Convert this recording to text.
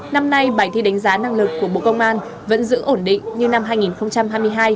năm nay bài thi đánh giá năng lực của bộ công an vẫn giữ ổn định như năm hai nghìn hai mươi hai